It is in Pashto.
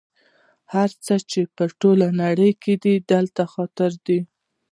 هر څه چې په ټوله نړۍ کې دي دلته حاضر دي.